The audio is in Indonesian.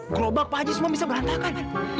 gerobak pak haji semua bisa berantakan